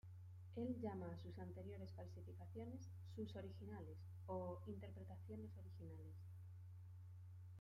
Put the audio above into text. Él llama a sus anteriores falsificaciones "sus originales" o "interpretaciones originales".